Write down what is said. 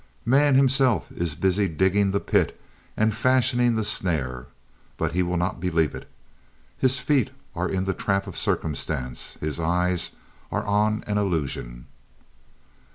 Man himself is busy digging the pit and fashioning the snare, but he will not believe it. His feet are in the trap of circumstance; his eyes are on an illusion.